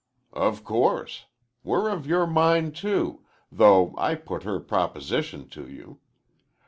"Of course. We're of your mind, too, though I put her proposition to you.